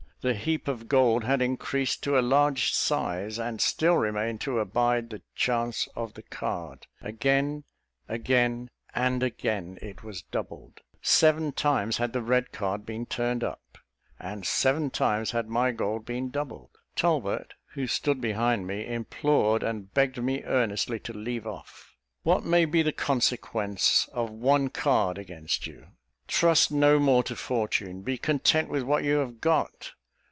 The heap of gold had increased to a large size, and still remained to abide the chance of the card. Again, again, and again, it was doubled. Seven times had the red card been turned up; and seven times had my gold been doubled. Talbot, who stood behind me, implored and begged me earnestly to leave off. "What may be the consequence of one card against you? Trust no more to fortune; be content with what you have got."